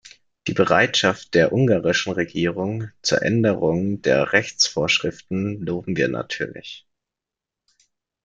Die Bereitschaft der ungarischen Regierung zur Änderung der Rechtsvorschriften loben wir natürlich.